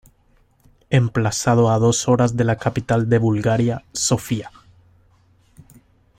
Emplazado a dos horas de la capital de Bulgaria, Sofía.